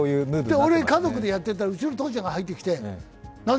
俺、家族でやってたら父ちゃんが入ってきて何だ！